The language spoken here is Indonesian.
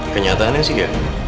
kenyataannya sih ya